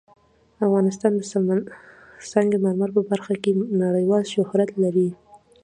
افغانستان د سنگ مرمر په برخه کې نړیوال شهرت لري.